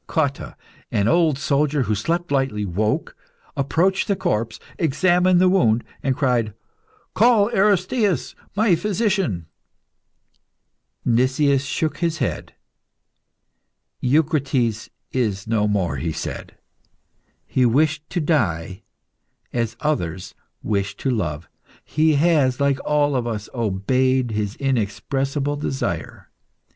Cotta, an old soldier, who slept lightly, woke, approached the corpse, examined the wound, and cried "Call Aristaeus, my physician!" Nicias shook his head. "Eucrites is no more," he said. "He wished to die as others wish to love. He has, like all of us, obeyed his inexpressible desire.